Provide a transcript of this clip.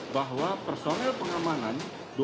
bahwa personel pengamanan